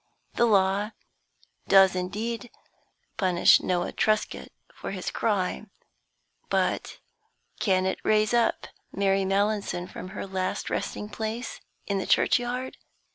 The law does indeed punish Noah Truscott for his crime, but can it raise up Mary Mallinson from her last resting place in the churchyard?